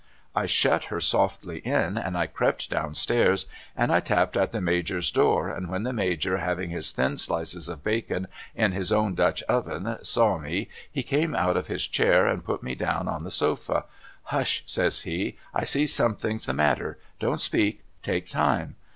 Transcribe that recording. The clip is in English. I shut her softly in and I crept down stairs and I tapped at the Major's door, and when the Major having his thin slices of bacon in his own Dutch oven saw me he came out of his chair and put me down on the sofa. ' Hush !' says he, ' I see something's the matter. Don't speak— take time.'